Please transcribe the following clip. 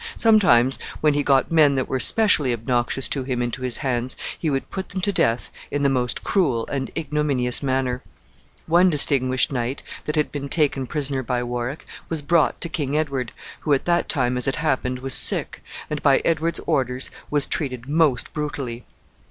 Sometimes, when he got men that were specially obnoxious to him into his hands, he would put them to death in the most cruel and ignominious manner. One distinguished knight, that had been taken prisoner by Warwick, was brought to King Edward, who, at that time, as it happened, was sick, and by Edward's orders was treated most brutally.